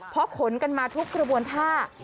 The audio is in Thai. เพราะขนกันมาทุกกระบวนท่า